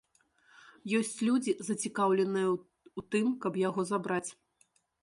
Ёсць людзі, зацікаўленыя ў тым, каб яго забраць.